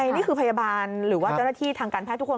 นี่คือพยาบาลหรือว่าเจ้าหน้าที่ทางการแพทย์ทุกคน